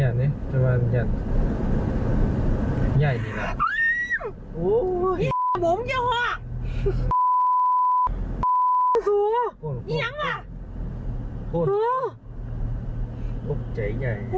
อ่าไหนดูสิ